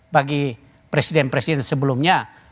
bagi presiden presiden sebelumnya